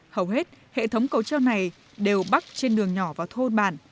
hầu hết hệ thống cầu treo này đều bắc trên đường nhỏ vào thôn bản